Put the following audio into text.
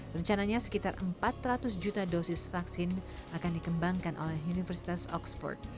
rencananya sekitar empat ratus juta dosis vaksin akan dikembangkan oleh universitas oxford